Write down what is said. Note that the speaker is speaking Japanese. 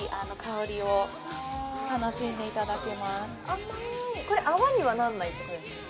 甘いこれ泡にはなんないってことですか？